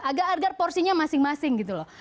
agar agar porsinya masing masing gitu loh